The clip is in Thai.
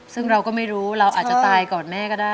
ซึ่งเราก็ไม่รู้เราอาจจะตายก่อนแม่ก็ได้